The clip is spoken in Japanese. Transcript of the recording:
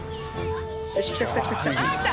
よし来た来た来た来た。